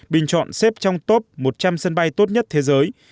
bình chọn xếp trong top một trăm linh sân bay tốt nhất thế giới